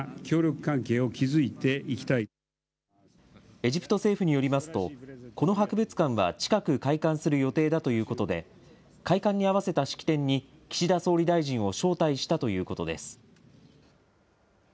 エジプト政府によりますと、この博物館は近く開館する予定だということで、開館に合わせた式典に、岸田総理大臣を招待したということです。